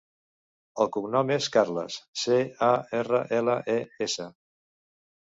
El cognom és Carles: ce, a, erra, ela, e, essa.